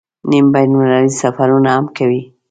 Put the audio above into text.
نیم بین المللي سفرونه هم کوي.